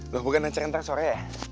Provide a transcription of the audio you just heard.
lu bukan nanti sore ya